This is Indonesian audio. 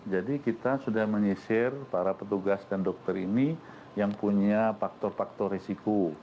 jadi kita sudah menyisir para petugas dan dokter ini yang punya faktor faktor risiko